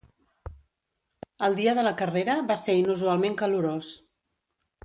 El dia de la carrera va ser inusualment calorós.